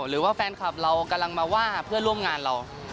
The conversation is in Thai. หรือว่าแฟนคลับเรากำลังมาว่าเพื่อนร่วมงานเรา